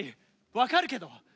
分かるけど。